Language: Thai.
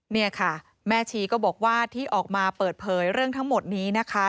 เนี่ยค่ะแม่ชีก็บอกว่าที่ออกมาเปิดเผยเรื่องทั้งหมดนี้นะคะ